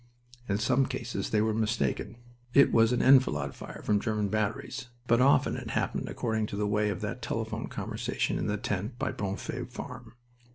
In some cases they were mistaken. It was enfilade fire from German batteries. But often it happened according to the way of that telephone conversation in the tent by Bronfay Farm.